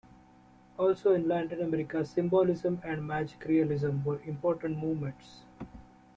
Also in Latin America Symbolism and Magic Realism were important movements.